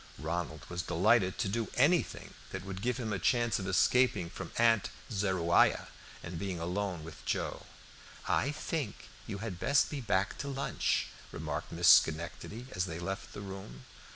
Ronald was delighted to do anything that would give him a chance of escaping from Aunt Zoruiah and being alone with Joe. "I think you had best be back to lunch," remarked Miss Schenectady as they left the room.